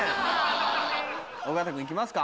尾形君行きますか。